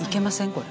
これ。